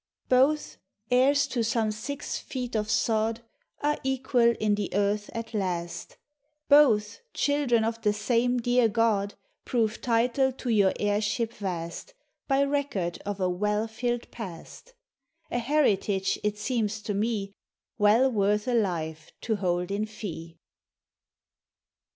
Both, heirs to some six feet of sod, Are equal in the earth at last; Both, children of the same dear God, Prove title to your heirship vast By record of a well tilled past — A heritage, it seems to me, Well worth a life to hold in fee.